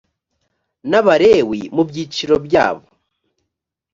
n abalewi mu byiciro byabo